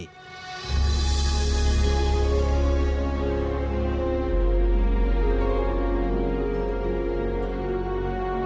สวัสดีครับ